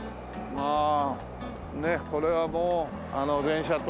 まあねっこれはもうあの電車と。